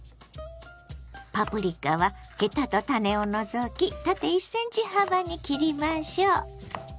パプリカはヘタと種を除き縦１ｃｍ幅に切りましょう。